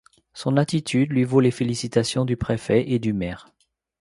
Son attitude lui vaut les félicitations du préfet et du maire.